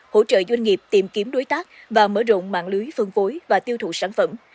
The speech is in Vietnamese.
hỗ trợ doanh nghiệp tìm kiếm đối tác và mở rộng mạng lưới phân phối và tiêu thụ sản phẩm